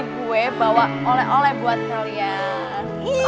kue bawa oleh oleh buat kalian